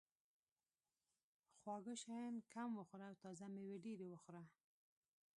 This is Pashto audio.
خواږه شیان کم وخوره او تازه مېوې ډېرې وخوره.